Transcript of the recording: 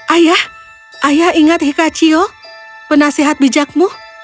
ayah ayah ingat hikachiyo penasihat bijakmu